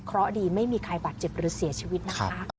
เพราะดีไม่มีใครบาดเจ็บหรือเสียชีวิตนะคะ